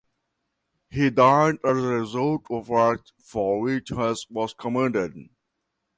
He died as a result of the act for which he was commended.